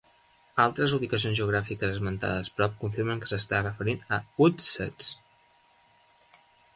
Altres ubicacions geogràfiques esmentades prop confirmen que s'està referint a Woodsetts.